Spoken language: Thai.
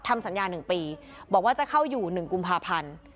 ทำสัญญา๑ปีบอกว่าจะเข้าอยู่๑กุมภาพันธ์